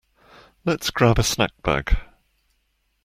Let’s grab a snack bag.